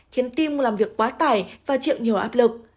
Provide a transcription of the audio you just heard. khiến tim làm việc quá tải và chịu nhiều áp lực